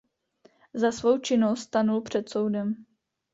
Za svou činnost stanul před soudem.